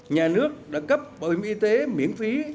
nhà nước đã cấp bảo hiểm y tế miễn phí